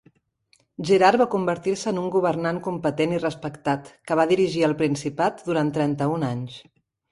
Gerard va convertir-se en un governant competent i respectat que va dirigir el principat durant trenta-un anys.